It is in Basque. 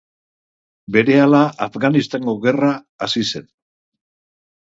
Berehala Afganistango gerra hasi zen.